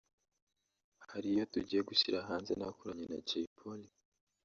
hari iyo tugiye gushyira hanze nakoranye na Jay Polly